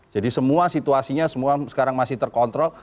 jadi semua situasinya semua sekarang masih terkontrol